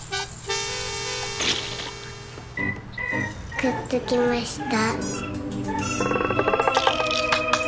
「くっつきました」。